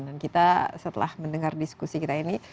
dan kita setelah mendengar diskusi kita ini